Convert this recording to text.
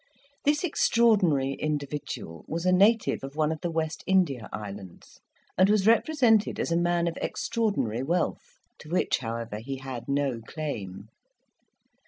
This extraordinary individual was a native of one of the West India Islands, and was represented as a man of extraordinary wealth; to which, however, he had no claim.